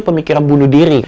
pemikiran bunuh diri